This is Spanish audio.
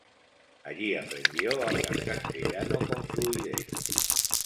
Allí aprendió a hablar castellano con fluidez.